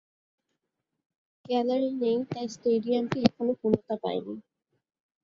Gallery নেই, তাই স্টেডিয়ামটি এখনো পূর্ণতা পায়নি।